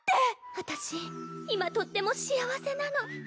あたし今とっても幸せなの。